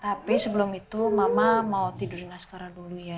tapi sebelum itu mama mau tidurin masker dulu ya